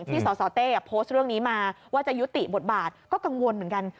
สสเต้โพสต์เรื่องนี้มาว่าจะยุติบทบาทก็กังวลเหมือนกัน